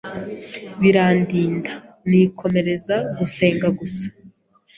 birandinda nikomereza gusenga gusa